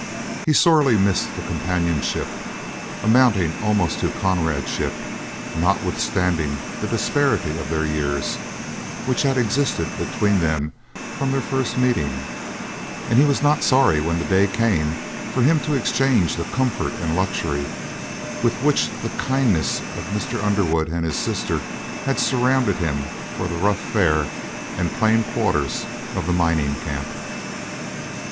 He sorely missed the companionship amounting almost to comradeship, notwithstanding the disparity of their years which had existed between them from their first meeting, and he was not sorry when the day came for him to exchange the comfort and luxury with which the kindness of Mr. Underwood and his sister had surrounded him for the rough fare and plain quarters of the mining camp.